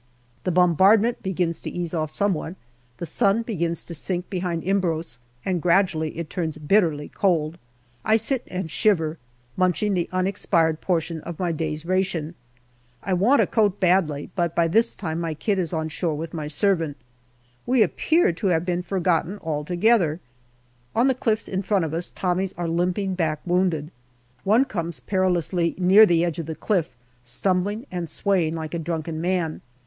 The bombardment begins to ease off somewhat. The sun begins to sink behind Imbros, and gradually it turns bitterly cold. I sit and shiver, munching the unexpired portion of my day's ration. I want a coat badly, but by this time my kit is on shore with my servant. We appear to have been forgotten altogether. On the cliffs in front of us Tommies are limping back wounded. One comes perilously near the edge of the cliff, stumbling and swaying like a drunken man.